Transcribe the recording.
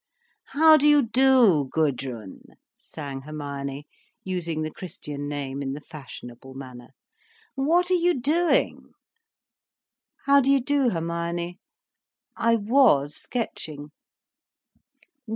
"How do you do, Gudrun?" sang Hermione, using the Christian name in the fashionable manner. "What are you doing?" "How do you do, Hermione? I was sketching."